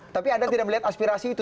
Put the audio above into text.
tapi anda tidak melihat aspirasi itu